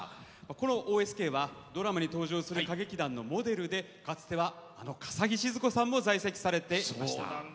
このＯＳＫはドラマに登場する歌劇団のモデルでかつては笠置シヅ子さんも在籍されていました。